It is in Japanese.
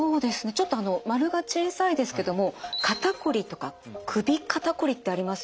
ちょっと丸が小さいですけども「肩こり」とか「首肩こり」ってありますよね。